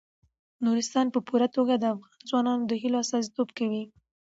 نورستان په پوره توګه د افغان ځوانانو د هیلو استازیتوب کوي.